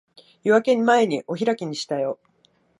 夜明け前にお開きにしたよ。